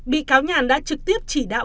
bị cáo nhàn đã trực tiếp chỉ đạo